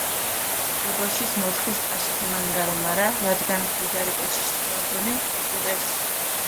ე ბოშის მოთხის პასუხი მანგარო, მარა რადგანს დიდარი კოჩიში სქუა რდჷნი, გუტეს.